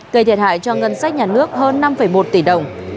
gây thiệt hại cho ngân sách nhà nước hơn năm một tỷ đồng